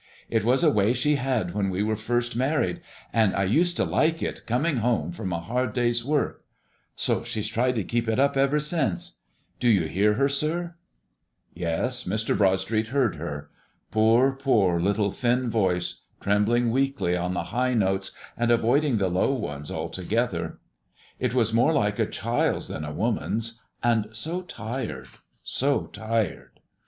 It was a way she had when we were first married, and I used to like it, coming home from a hard day's work; so she's tried to keep it up ever since. Do you hear her, sir?" Yes, Mr. Broadstreet heard her. Poor, poor little thin voice, trembling weakly on the high notes and avoiding the low ones altogether. It was more like a child's than a woman's, and so tired so tired!